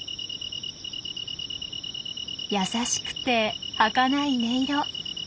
優しくてはかない音色。